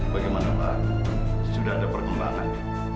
bagaimana pak sudah ada perkembangan